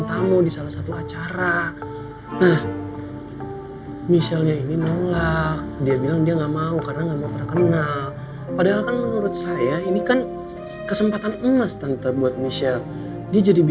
tapi rasa sayang gue ke lo sebagai